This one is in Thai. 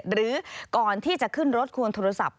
หรือก่อนที่จะขึ้นรถควรโทรศัพท์